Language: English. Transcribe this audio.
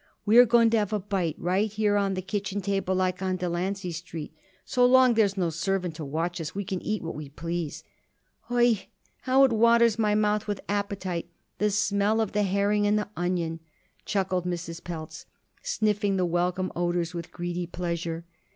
"We are going to have a bite right here on the kitchen table like on Delancey Street. So long there's no servant to watch us we can eat what we please." "Oi! how it waters my mouth with appetite, the smell of the herring and onion!" chuckled Mrs. Pelz, sniffing the welcome odors with greedy pleasure.